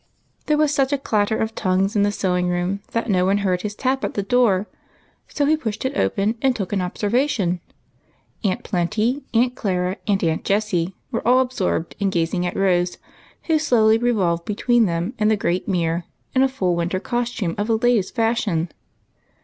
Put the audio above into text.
There was such a clatter of tongues in the sewing room that no one heard his tap at the door, so he pushed it open and took an observation. Aunt Plenty, Aunt Clara, and Aunt Jessie were all absorbed in gaz ing at liose, who slowly revolved between them and the great mirror, in a full winter costume of the latest fashion.